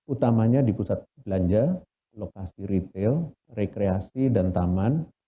utamanya di pusat belanja lokasi retail rekreasi dan taman